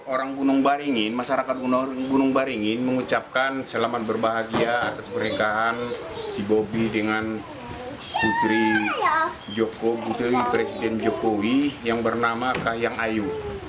orang gunung baringin masyarakat gunung baringin mengucapkan selamat berbahagia atas pernikahan si bobi dengan putri presiden jokowi yang bernama kahiyang ayu